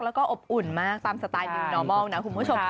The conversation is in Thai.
แล้วก็อบอุ่นมากตามสไตล์หนึ่งนอร์มอลนะคุณผู้ชม